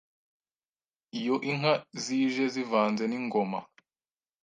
Iyo inka zije zivanze n'ingoma